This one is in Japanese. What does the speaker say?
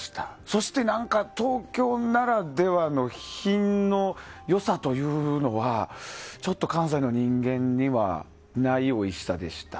そして、東京ならではの品の良さというのはちょっと関西の人間にはないおいしさでした。